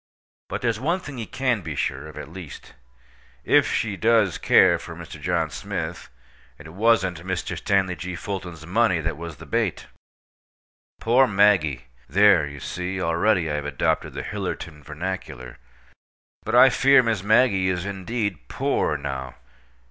But there's one thing he can be sure of, at least; if she does care for Mr. John Smith, it wasn't Mr. Stanley G. Fulton's money that was the bait. Poor Maggie! (There! you see already I have adopted the Hillerton vernacular.) But I fear Miss Maggie is indeed "poor" now.